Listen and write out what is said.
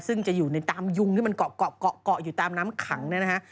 ซึ่งจะอยู่ตามยุงที่มันเกาะอยู่ตามน้ำขังนะฮะ